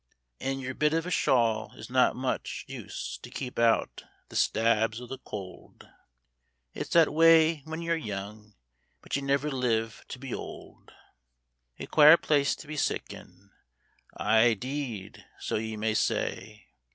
An' yer bit of a shawl is not much use to keep out the stabs o' the could ; It's that way whin yer young, but ye never live to be ould. A quare place to be sick in. Aye, deed, so ye may say